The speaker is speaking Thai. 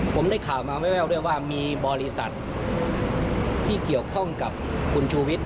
ผมได้ข่าวมาแววด้วยว่ามีบริษัทที่เกี่ยวข้องกับคุณชูวิทย